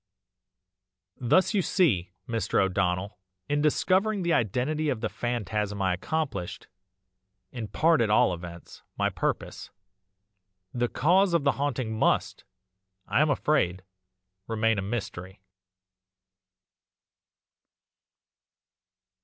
"Thus you see, Mr. O'Donnell, in discovering the identity of the phantasm I accomplished in part at all events my purpose; the cause of the haunting must, I am afraid, remain a mystery."